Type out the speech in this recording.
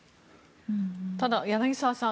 ただ、柳澤さん